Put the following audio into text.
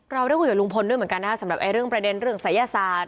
เราได้คุยกับลุงพลด้วยเหมือนกันนะครับสำหรับเรื่องประเด็นเรื่องศัยศาสตร์